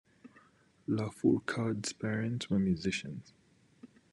Lafourcade's parents were musicians.